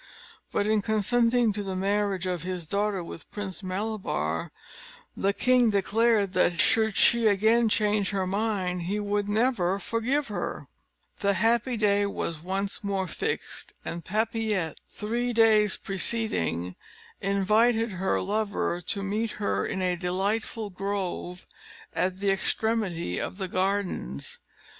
But in consenting to the marriage of his daughter with Prince Malabar, the king declared that, should she again change her mind, he would never forgive her. The happy day was once more fixed, and Papillette, three days preceding, invited her lover to meet her in a delightful grove at the extremity of the gardens.